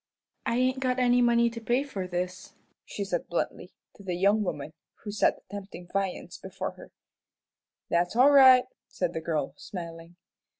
"I ain't got any money to pay for this," she said, bluntly, to the young woman who set the tempting viands before her. "That's all right," said the girl, smiling.